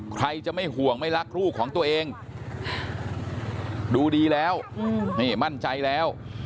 ใครจะไม่ห่วงไม่รักลูกของตัวเองดูดีแล้วนี่มั่นใจแล้ว